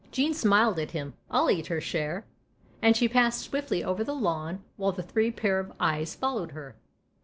Jean smiled at him. " I'll eat her share !" And she passed swiftly over the lawn while the three pair of eyes followed her.